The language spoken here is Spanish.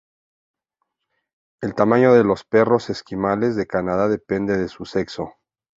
El tamaño de los perros esquimales de Canadá depende de su sexo.